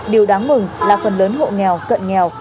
điều đáng mừng là phần lớn hộ nghèo cận nghèo